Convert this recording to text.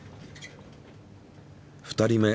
２人目。